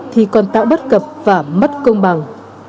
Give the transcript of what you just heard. thì còn tạo bất cập và mất công bằng